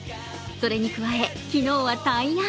それに加え、昨日は大安。